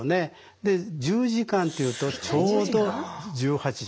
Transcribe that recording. で１０時間というとちょうど１８時。